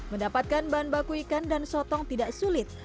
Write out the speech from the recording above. mendapatkan bahan baku ikan dan sotong tidak sulit